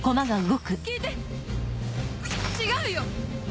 違うよ！